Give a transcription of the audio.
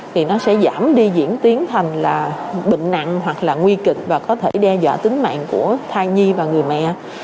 thì nó sẽ giảm đi diễn tiến thành là bệnh nặng hoặc là nguy kịch và có thể đe dọa tính mạng của thai nhi và người mẹ